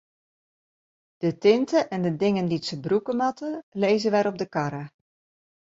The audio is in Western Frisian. De tinte en de dingen dy't se brûke moatte, lizze wer op de karre.